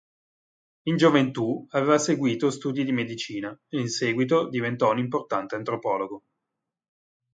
In gioventù aveva seguito studi di medicina e, in seguito, diventò un importante antropologo.